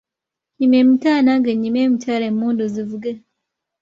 Yima emitala nange nnyimi emitala emmundu zivuge.